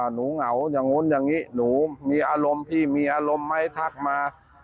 เหงาอย่างนู้นอย่างนี้หนูมีอารมณ์พี่มีอารมณ์ไหมทักมา